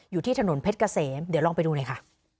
อยู่ที่ถนนเพชรเกษมเดี๋ยวลองไปดูหน่อยค่ะ